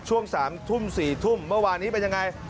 ช่วง๓ทุ่ม๔ทุ่มเมื่อวานนี้เป็นยังไง